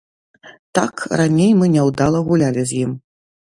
Так, раней мы няўдала гулялі з ім.